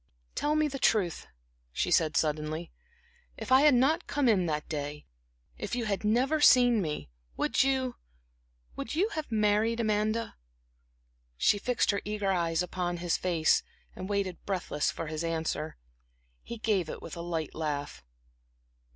"Tell me the truth," she said, suddenly "if I had not come in that day if you had never seen me, would you would you have married Amanda?" She fixed her eager eyes upon his face, and waited breathless for his answer. He gave it with a light laugh.